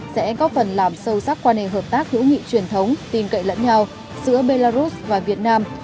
sẽ có phần làm sâu sắc quan hệ hợp tác hữu nghị truyền thống tin cậy lẫn nhau giữa belarus và việt nam